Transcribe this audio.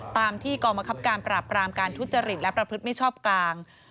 ตามที่กองบังคับการปราบรามการทุจริตและประพฤติมิชชอบกลาง